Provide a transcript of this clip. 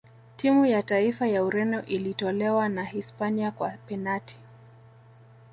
timu ya taifa ya ureno ilitolewa na hispania kwa penati